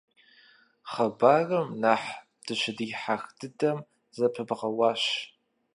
Хъыбарым нэхъ дыщыдихьэх дыдэм зэпыбгъэуащ.